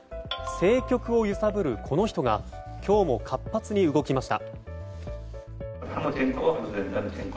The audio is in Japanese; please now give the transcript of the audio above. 政局を揺さぶる、この人が今日も活発に動きました。